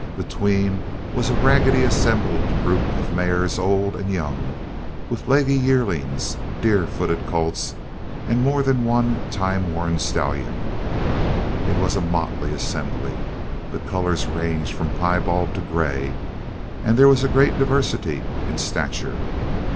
Between was a raggedly assembled group of mares old and young, with leggy yearlings, deer footed colts, and more than one time worn stallion. It was a motley assembly. The colors ranged from piebald to grey and there was a great diversity in stature.